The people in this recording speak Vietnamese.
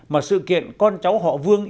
mà sự kiện con cháu họ vương